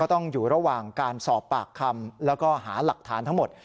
ต้องอยู่ระหว่างการสอบปากคำแล้วก็หาหลักฐานทั้งหมด